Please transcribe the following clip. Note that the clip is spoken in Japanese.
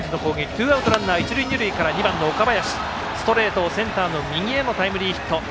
ツーアウトランナー、一塁二塁から２番の岡林ストレートをセンターの右へのタイムリーヒット。